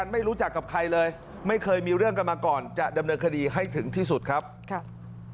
ผมก็นึกว่าไม่เซเวนแล้วเขาก็ตามผม